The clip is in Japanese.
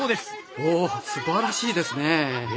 おおっすばらしいですねえ。